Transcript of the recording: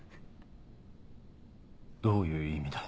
どういう意味だ。